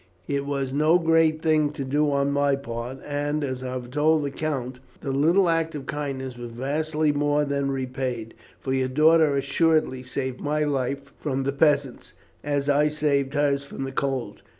It was no great thing to do on my part; and, as I have told the count, the little act of kindness was vastly more than repaid, for your daughter assuredly saved my life from the peasants, as I saved hers from the cold.